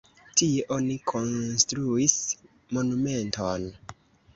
Tie oni konstruis monumenton.